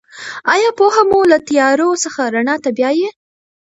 آیا پوهه مو له تیارو څخه رڼا ته بیايي؟